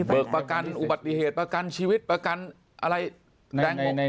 ประกันอุบัติเหตุประกันชีวิตประกันอะไรแดง